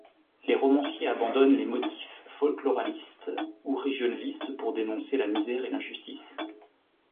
Les romanciers abandonnent les motifs folkloralistes ou régionalistes pour dénoncer la misère et l'injustice.